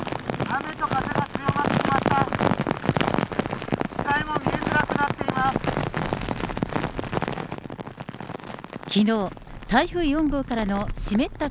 雨と風が強まってきました。